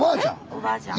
おばあちゃん。